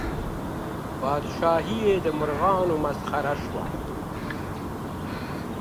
پاچهي یې د مرغانو مسخره سوه.